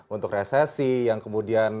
untuk resesi yang kemudian